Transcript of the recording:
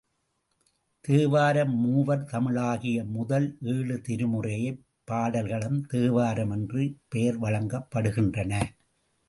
தேவாரம் மூவர் தமிழாகிய முதல் ஏழு திருமுறைப் பாடல்களும் தேவாரம் என்று பெயர் வழங்கப் படுகின்றன.